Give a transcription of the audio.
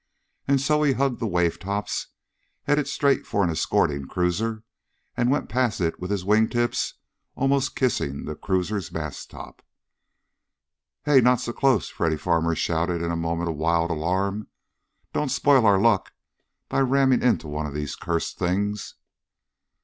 And so he hugged the wave tops, headed straight for an escorting cruiser, and went past it with his wingtips almost kissing the cruiser's mast top. "Hey, not so close!" Freddy Farmer shouted in a moment of wild alarm. "Don't spoil our luck by ramming into one of these cursed things!"